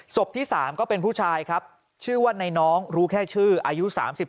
ที่๓ก็เป็นผู้ชายครับชื่อว่าในน้องรู้แค่ชื่ออายุ๓๓